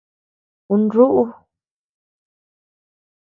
Un rúʼu.